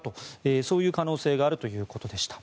そういう可能性があるということでした。